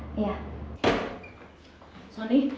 sony adikmu berhenti